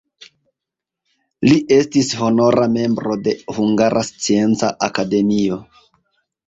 Li estis honora membro de Hungara Scienca Akademio.